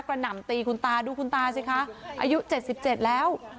หน่ำตีคุณตาดูคุณตาสิคะอายุ๗๗แล้ว